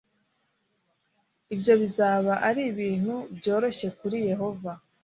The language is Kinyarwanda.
ibyo bizaba ari ibintu byoroshye kuri yehova